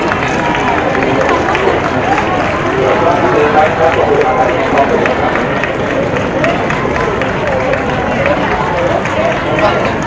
มุมการก็แจ้งแล้วเข้ากลับมานะครับ